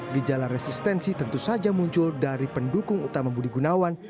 gejala resistensi tentu saja muncul dari pendukung utama budi gunawan